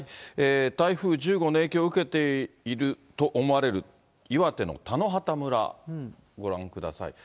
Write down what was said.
台風１０号の影響を受けていると思われる岩手の田野畑村、ご覧ください。